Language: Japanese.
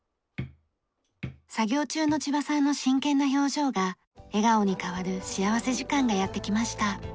作業中の千葉さんの真剣な表情が笑顔に変わる幸福時間がやってきました。